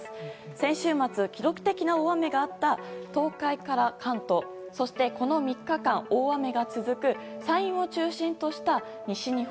先週末記録的な大雨があった東海から関東そして、この３日間大雨が続く山陰を中心とした西日本。